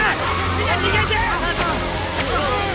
みんな逃げて！